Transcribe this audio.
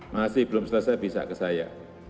masih belum selesai bisa ke saya